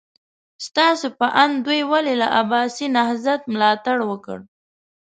ستاسو په اند دوی ولې له عباسي نهضت ملاتړ وکړ؟